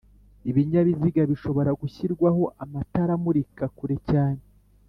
Ibinyabiziga bishobora gushyirwaho amatara amurika kure cyane